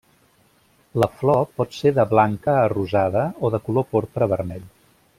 La flor pot ser de blanca a rosada o de color porpra vermell.